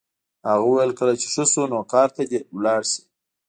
هغه وویل کله چې ښه شو نو کار ته دې لاړ شي